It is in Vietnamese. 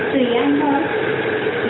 thì là giá cả ở đây